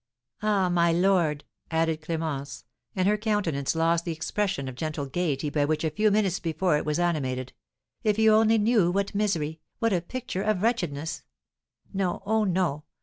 Ah, my lord," added Clémence (and her countenance lost the expression of gentle gaiety by which a few minutes before it was animated), "if you only knew what misery, what a picture of wretchedness no! oh, no!